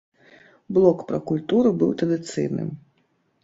Блок пра культуру быў традыцыйным.